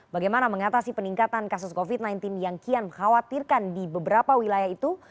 bagaimana mengatasi peningkatan kasus covid sembilan belas yang kian mengkhawatirkan di beberapa wilayah itu